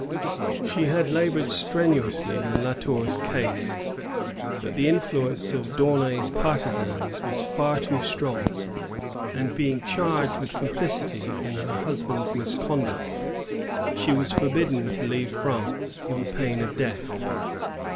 She had labored strenuously in La Tour's cause;' but the influence of D'Aunay's partisans was far too strong, and, being charged with complicity in her husband's misconduct, she was forbidden to leave France on pain of death.